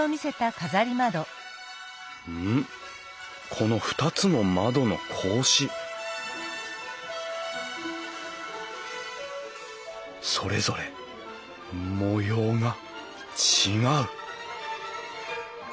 この２つの窓の格子それぞれ模様が違う